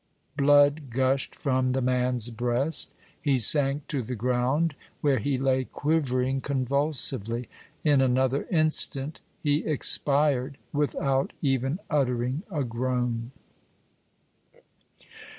Blood gushed from the man's breast. He sank to the ground, where he lay quivering convulsively; in another instant he expired without even uttering a groan.